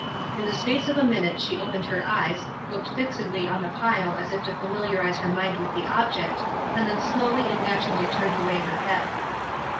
In the space of a minute she opened her eyes, looked fixedly on the pile as if to familiarize her mind with the object, and then slowly and naturally turned away her head.